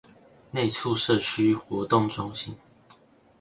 內厝社區活動中心